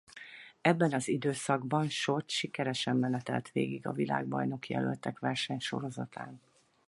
Ebben az időszakban Short sikeresen menetelt végig a világbajnokjelöltek versenysorozatán.